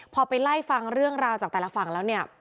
พอไปไล่ฟังเรื่องราวจากแต่ละฝั่งแล้วเนี่ย